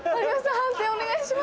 判定お願いします。